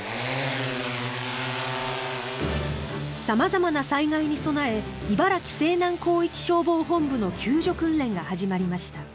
様々な災害に備え茨城西南広域消防本部の救助訓練が始まりました。